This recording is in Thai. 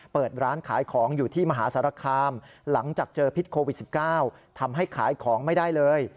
เปิดร้านขายของอยู่ที่มหาสารคามหลังจากเจอพิษโควิด๑๙ทำให้ขายของไม่ได้เลย